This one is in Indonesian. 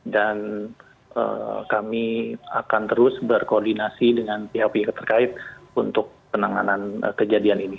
dan kami akan terus berkoordinasi dengan pihak pihak terkait untuk penanganan kejadian ini